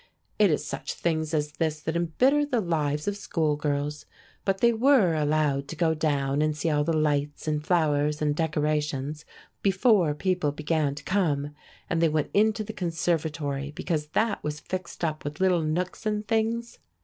It is such things as this that embitter the lives of schoolgirls. But they were allowed to go down and see all the lights and flowers and decorations before people began to come, and they went into the conservatory because that was fixed up with little nooks and things.